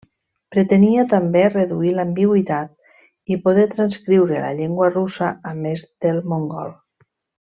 Pretenia també reduir l'ambigüitat, i poder transcriure la llengua russa a més del mongol.